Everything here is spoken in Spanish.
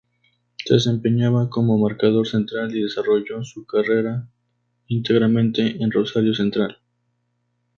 Se desempeñaba como marcador central y desarrolló su carrera íntegramente en Rosario Central.